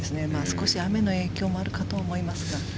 少し雨の影響もあるかとは思いますが。